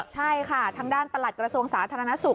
ใช่ทางด้านประหลัดกระทรวงศาสตร์ธนสุข